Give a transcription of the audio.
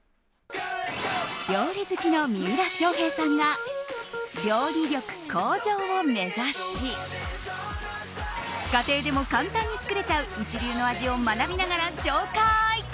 料理好きの三浦翔平さんが料理力向上を目指し家庭でも簡単に作れちゃう一流の味を学びながら紹介。